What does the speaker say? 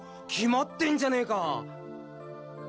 決まってんじゃねえか！